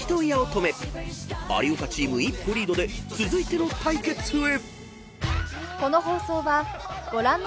［有岡チーム一歩リードで続いての対決へ］